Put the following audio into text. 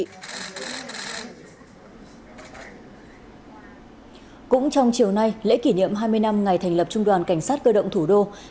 cũng trong chiều nay lễ kỷ niệm hai mươi năm ngày thành lập trung đoàn cảnh sát cơ động thủ đô